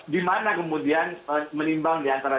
dimana kemudian menimbang diantara